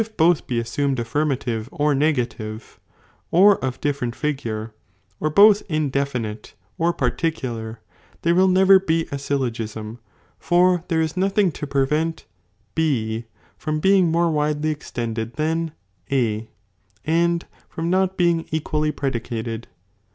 i! both be assumed affirmative or negative, or of diferent figure, or both indefinite or particular, there will never be a syllogism ; for there is nothing to prevent B from being more widely extended than A, and from not being MinUly predicated.